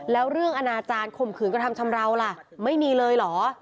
แล้วเรื่องอนาจารย์ข่มขืนกระทำชำราวล่ะไม่มีเลยเหรอ